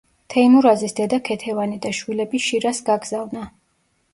თეიმურაზის დედა ქეთევანი და შვილები შირაზს გაგზავნა.